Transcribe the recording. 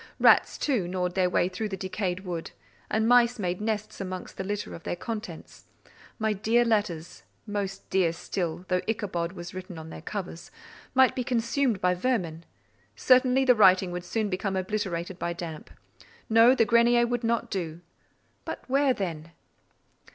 Rats, too, gnawed their way through the decayed wood; and mice made nests amongst the litter of their contents: my dear letters (most dear still, though Ichabod was written on their covers) might be consumed by vermin; certainly the writing would soon become obliterated by damp. No; the grenier would not do—but where then?